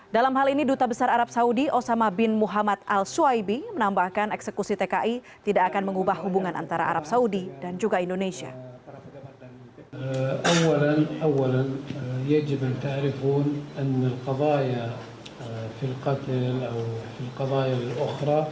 dalam hal ini duta besar arab saudi osama bin muhammad al swaibi menambahkan eksekusi tki tidak akan mengubah hubungan antara arab saudi dan juga indonesia